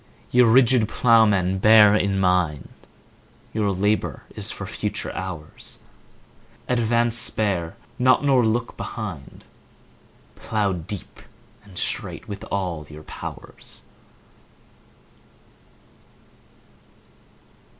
Ye rigid Ploughmen, bear in mind Your labour is for future hours: Advance—spare not—nor look behind— 15 Plough deep and straight with all your powers!